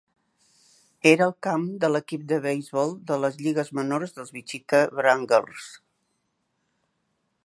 Era el camp de l'equip de beisbol de les lligues menors dels Wichita Wranglers.